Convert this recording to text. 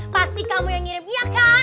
pasti kamu yang ngirim ya kan